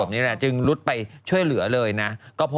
นางร้องโอน